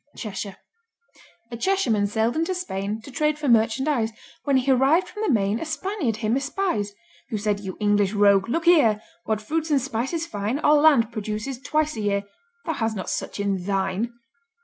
'" Cheshire A Cheshireman sailed into Spain To trade for merchandise; When he arrived from the main A Spaniard him espies. Who said, "You English rogue, look here! What fruits and spices fine Our land produces twice a year. Thou has not such in thine."